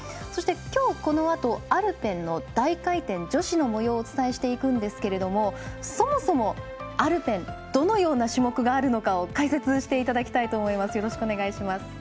そして、今日このあとアルペンの大回転女子のもようをお伝えしていくんですけれどもそもそもアルペンどのような種目があるのか解説していただきたいと思います。